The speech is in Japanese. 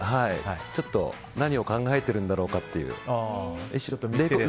ちょっと何を考えているんだろうかという。